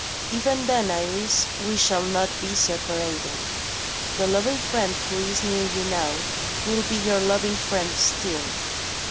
"Even then, Iris, we shall not be separated. The loving friend who is near you now, will be your loving friend still."